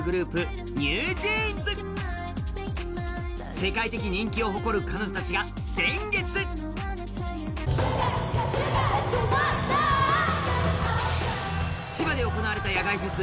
世界的人気を誇る彼女たちが先月千葉で行われた野外フェス